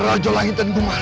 rajau langit dan gumar